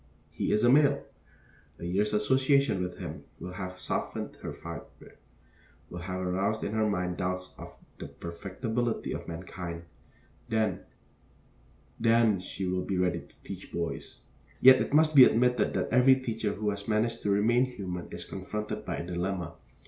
He is a male. A year's association with him will have softened her fibre, will have aroused in her mind doubts of the perfectibility of mankind. Then, then she will be ready to teach boys. Yet it must be admitted that every teacher who has managed to remain human is confronted by a dilemma.